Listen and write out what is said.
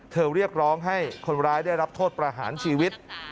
เรียกร้องให้คนร้ายได้รับโทษประหารชีวิต